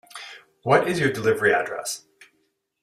What is your delivery address?